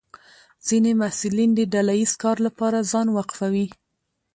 ځینې محصلین د ډله ییز کار لپاره ځان وقفوي.